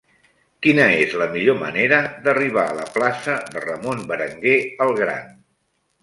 Quina és la millor manera d'arribar a la plaça de Ramon Berenguer el Gran?